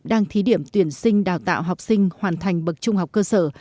đang thí điểm tuyển sinh đào tạo học sinh hoàn thành bậc trung học cơ sở